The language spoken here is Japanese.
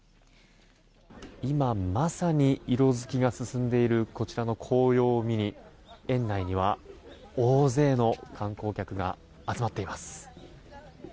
今、まさに色づきが進んでいるこちらの紅葉を見に園内には、大勢の観光客が集まっています。